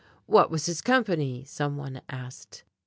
"What was his company?" some one asked.